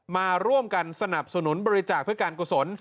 มาร่วมกันสนับสนุนบริจาคเพื่อการกุศล